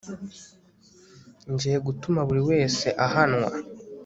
Ngiye gutuma buri wese ahanwa